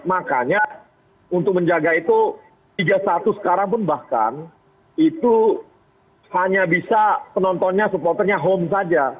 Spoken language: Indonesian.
makanya untuk menjaga itu liga satu sekarang pun bahkan itu hanya bisa penontonnya supporternya home saja